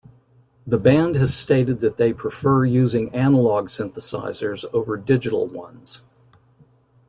The band has stated that they prefer using analogue synthesizers over digital ones.